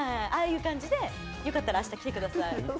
ああいう感じで、よかったらあした、来てください。